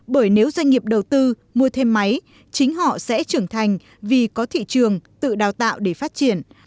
bởi nếu doanh nghiệp đầu tư mua thêm máy chính họ sẽ trưởng thành vì có thị trường tự đào tạo để phát triển